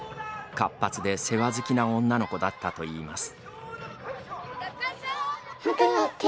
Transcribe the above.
活発で世話好きな女の子だったといいます。